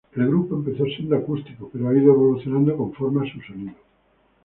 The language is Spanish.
El grupo empezó siendo acústico, pero ha ido evolucionando conforme a su sonido.